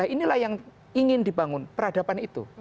inilah yang ingin dibangun peradaban itu